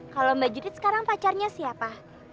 kalau mbak jukit sekarang pacarnya siapa